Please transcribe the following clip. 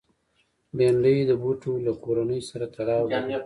بېنډۍ د بوټو له کورنۍ سره تړاو لري